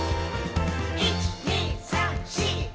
「１．２．３．４．５．」